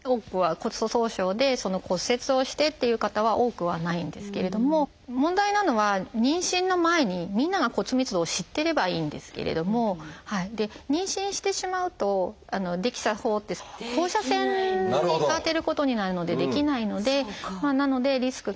骨粗しょう症で骨折をしてっていう方は多くはないんですけれども問題なのは妊娠の前にみんなが骨密度を知ってればいいんですけれども妊娠してしまうとＤＸＡ法って放射線を当てることになるのでできないのでなのでリスクが当てはまったりとか